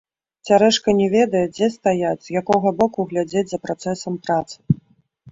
Цярэшка не ведае, дзе стаяць, з якога боку глядзець за працэсам працы.